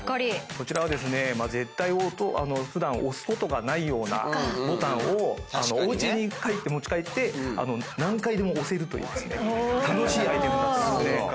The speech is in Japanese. こちらはですね絶対普段押すことがないようなボタンをおうちに持ち帰って何回でも押せるというですね楽しいアイテムになってますね。